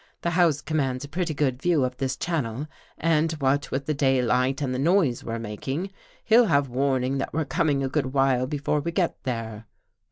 The house commands a ^ pretty good view of this channel and what with the daylight and the noise we're making, he'll have warning that we're coming a good while before we get there."